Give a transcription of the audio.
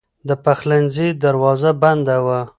د پخلنځي دروازه بنده وه.